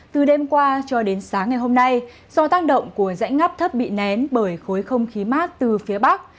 từ đêm qua cho đến sáng ngày hôm nay do tác động của dãy ngắp thấp bị nén bởi khối không khí mát từ phía bắc